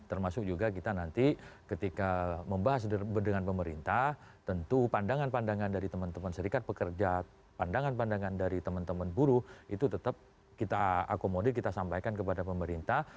termasuk juga kita nanti ketika membahas dengan pemerintah tentu pandangan pandangan dari teman teman serikat pekerja pandangan pandangan dari teman teman buruh itu tetap kita akomodir kita sampaikan kepada pemerintah